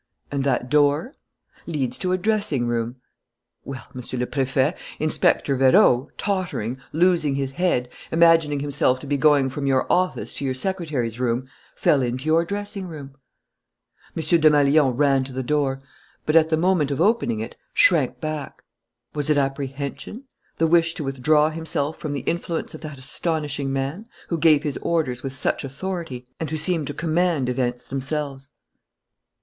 "And that door ?" "Leads to a dressing room." "Well, Monsieur le Préfet, Inspector Vérot, tottering, losing his head, imagining himself to be going from your office to your secretary's room, fell into your dressing room." M. Desmalions ran to the door, but, at the moment of opening it, shrank back. Was it apprehension, the wish to withdraw himself from the influence of that astonishing man, who gave his orders with such authority and who seemed to command events themselves?